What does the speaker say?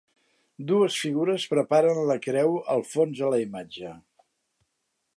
Dues figures preparen la Creu al fons de la imatge.